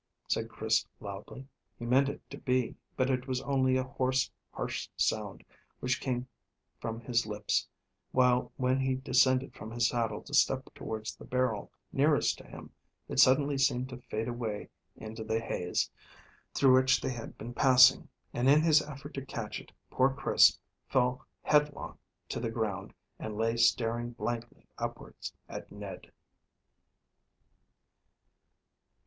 said Chris loudly he meant it to be, but it was only a hoarse, harsh sound which came from his lips, while when he descended from his saddle to step towards the barrel nearest to him, it suddenly seemed to fade away into the haze through which they had been passing, and in his effort to catch it poor Chris fell headlong to the ground and lay staring blankly upwards at Ned.